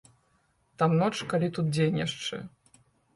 Там ноч калі, тут дзень яшчэ.